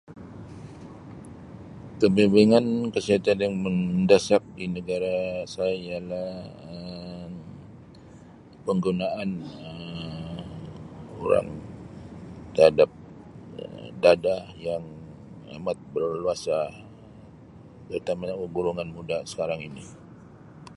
Kebimbingan kesihatan yang mendesak di negara saya ialah Um penggunaan Um orang terhadap Um dadah yang amat berleluasa terutamanya golongan muda sekarang ini.